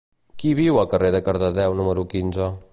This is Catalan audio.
Qui viu al carrer de Cardedeu número quinze?